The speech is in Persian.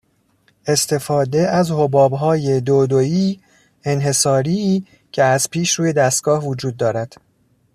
استفاده از حبابهای دودویی انحصاریای که از پیش روی دستگاه وجود دارد.